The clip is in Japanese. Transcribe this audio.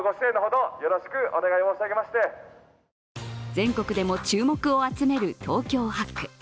全国でも注目を集める東京８区。